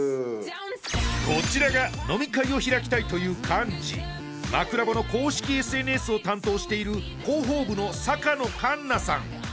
こちらが飲み会を開きたいという幹事まくらぼの公式ＳＮＳを担当している広報部の坂野栞菜さん